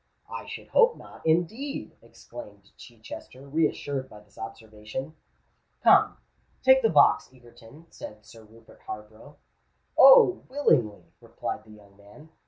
"I should hope not, indeed!" exclaimed Chichester, reassured by this observation. "Come—take the box, Egerton," said Sir Rupert Harborough. "Oh! willingly," replied the young man.